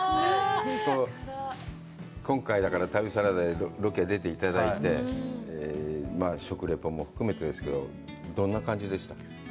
今回旅サラダでロケ出ていただいて、食レポも含めてですけど、どんな感じでした？